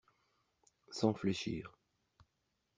Sans fléchir